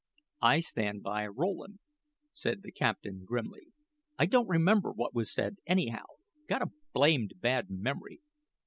"I stand by Rowland," said the captain, grimly. "I don't remember what was said, anyhow; got a blamed bad memory.